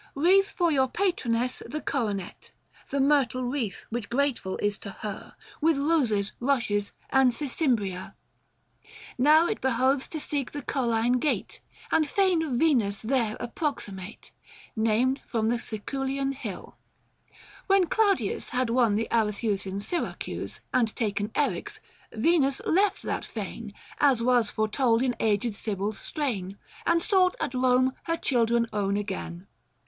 Wreath for your patroness the coronet, The myrtle wreath which grateful is to her, 1010 With roses, rushes, aud sisymbria. Book IV. THE FASTI. 137 Now it behoves to seek the Colline gate, And fane of Venus there approximate, Named from Siculian hill. When Claudius Had won the Arethusan Syracuse 1015 And taken Eryx, Venus left that fane — As was foretold in aged Sibyl's strain — And sought at Kome her children own again.